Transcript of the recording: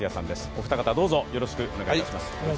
お二方、どうぞよろしくお願いいたします。